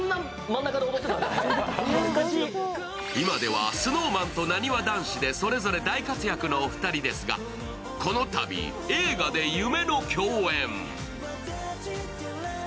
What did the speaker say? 今ではＳｎｏｗＭａｎとなにわ男子でそれぞれ大活躍のお二人ですが、このたび映画で夢の共演。